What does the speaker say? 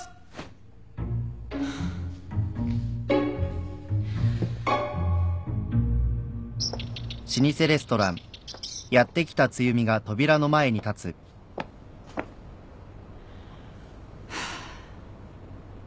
ハァ。ハァ。